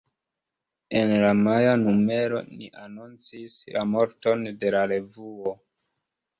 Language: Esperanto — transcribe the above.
En la maja numero ni anoncis la morton de la revuo.